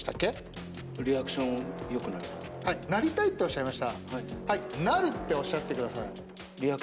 なりたいとおっしゃったなるっておっしゃってください。